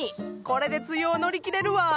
これで梅雨を乗り切れるわ！